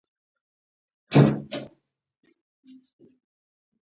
هګۍ د ورزشکار بدن جوړوي.